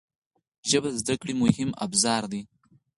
ژبه د زده کړې مهم ابزار دی